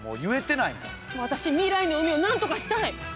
私未来の海をなんとかしたい！